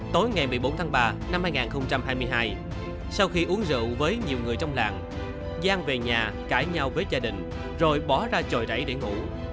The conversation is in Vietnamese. tối ngày một mươi bốn tháng ba năm hai nghìn hai mươi hai sau khi uống rượu với nhiều người trong làng giang về nhà cãi nhau với gia đình rồi bỏ ra trồi đẩy để ngủ